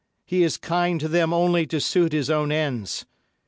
He is kind to them only to suit his own ends.